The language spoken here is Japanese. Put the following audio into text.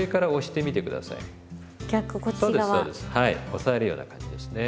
押さえるような感じですね。